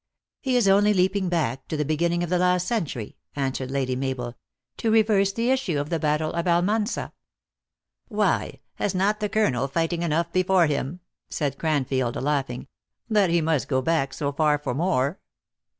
u He is only leaping back to the beginning of the last century," answered Lady Mabel, " to reverse the issue of the battle of Almansa." " Why, has not the colonel fighting enough before him," said Cranfield, laughing, " that he must go back so far for more